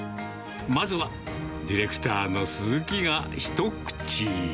まずはディレクターのすずきが一口。